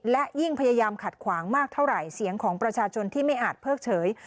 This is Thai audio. และยิ่งพยายามขัดขวางมากเท่าไหร่เสียงของประชาชนที่ไม่อาจเพิกเฉย